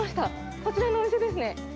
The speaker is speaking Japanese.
こちらのお店ですね。